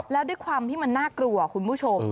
แล้วด้วยความที่มันน่ากลัวคุณผู้ชม